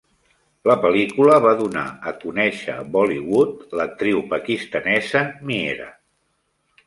La pel·lícula va donar a conèixer a Bollywood l'actriu pakistanesa Meera.